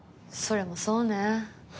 それもそうね。